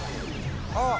あっ